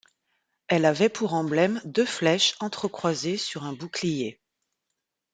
Elle avait pour emblème deux flèches entrecroisées sur un bouclier.